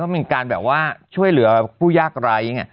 มีการช่วยเหลือผู้ยากไร